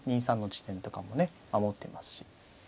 ２三の地点とかもね守ってますし。